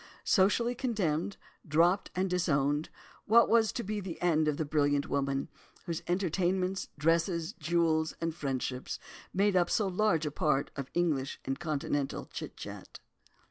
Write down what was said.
Socially condemned, dropped and disowned, what was to be the end of the brilliant woman, whose entertainments, dresses, jewels, and friendships, made up so large a part of English and Continental chit chat?